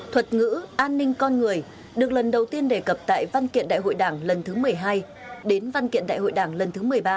thuật ngữ an ninh con người được lần đầu tiên đề cập tại văn kiện đại hội đảng lần thứ một mươi hai đến văn kiện đại hội đảng lần thứ một mươi ba